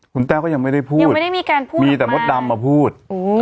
คุณแท้วก็ยังไม่ได้พูดมีแต่มดดำมาพูด